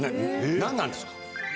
何なんですか？